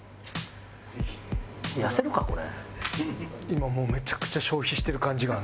今もうめちゃくちゃ消費してる感じがあんねん。